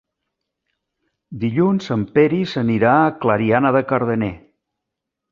Dilluns en Peris anirà a Clariana de Cardener.